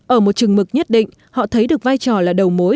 ở một chừng mực nhất định họ thấy được vai trò là đầu mối